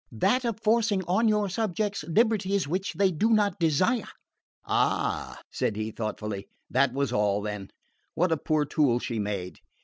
"That of forcing on your subjects liberties which they do not desire!" "Ah," said he thoughtfully. That was all, then. What a poor tool she made!